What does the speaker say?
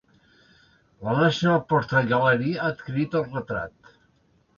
La National Portrait Gallery ha adquirit el retrat.